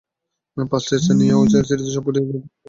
পাঁচ টেস্ট নিয়ে গড়া ঐ সিরিজের সবকটিতেই তার অংশগ্রহণ ছিল।